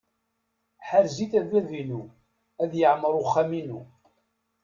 Ḥrez-it a bab-inu, ad yeɛmeṛ uxxam-inu.